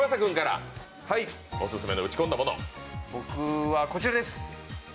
僕はこちらです。